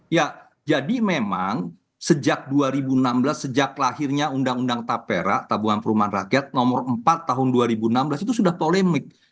ya jadi memang sejak dua ribu enam belas sejak lahirnya undang undang tapera tabungan perumahan rakyat nomor empat tahun dua ribu enam belas itu sudah polemik